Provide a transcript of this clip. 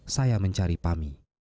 saya mencari pami